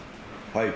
はい。